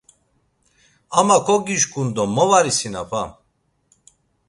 Ama kogişǩun do mo var isinapam.